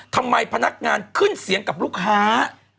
ทำไมพนักงานขึ้นเสียงกับลูกค้า